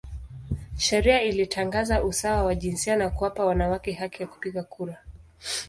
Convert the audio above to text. Sheria ilitangaza usawa wa jinsia na kuwapa wanawake haki ya kupiga kura.